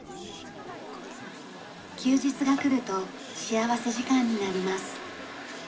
休日がくると幸福時間になります。